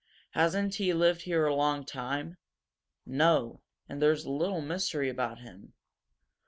Hasn't he lived here a long time?" "No, and there's a little mystery about him.